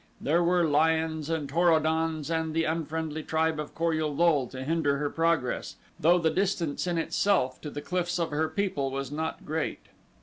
There were lions and Tor o dons and the unfriendly tribe of Kor ul lul to hinder her progress, though the distance in itself to the cliffs of her people was not great.